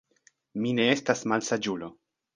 Mi ne estas malsaĝulo.